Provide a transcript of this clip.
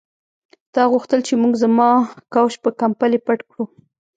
تا غوښتل چې موږ زما کوچ په کمپلې پټ کړو